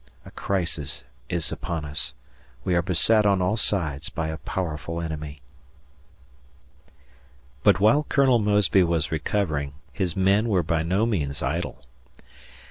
... A crisis is upon us. We are beset on all sides by a powerful enemy. But while Colonel Mosby was recovering his men were by no means idle.